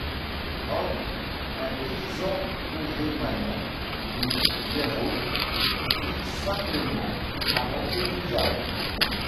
Brand, un paysan porémanien de Vierow, vit simplement à l'entrée du village.